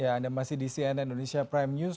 ya anda masih di cnn indonesia prime news